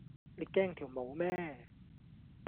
你驚條毛咩